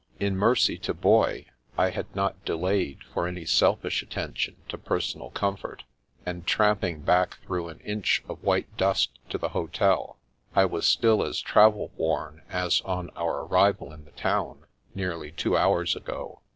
In mercy to Boy, I had not delayed for any selfish attention to personal comfort, and tramping back through an inch of whit£ dust to the hotel, I was still as travd wom as on our arrival in the town, nearly two hours ago.